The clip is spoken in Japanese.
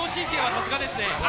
さすがです。